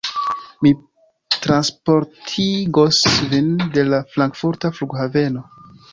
Mi transportigos vin de la Frankfurta flughaveno.